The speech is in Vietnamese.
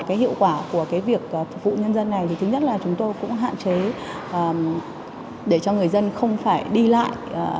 cái hiệu quả của cái việc phục vụ nhân dân này thì thứ nhất là chúng tôi cũng hạn chế để cho người dân không phải đi lại